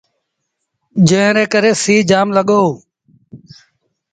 جݩهݩ ري ڪري سيٚ جآم لڳو۔